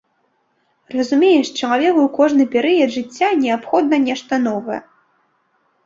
Разумееш, чалавеку ў кожны перыяд жыцця неабходна нешта новае.